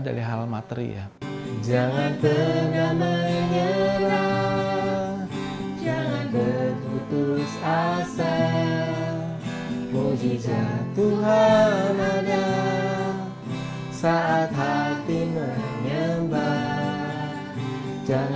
dari hal materi ya